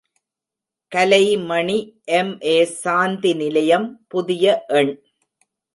Kalaimani M A., Shanti Nilayam புதிய எண்.